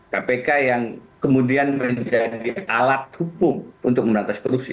kpk yang kemudian menjadi alat hukum untuk meratas korupsi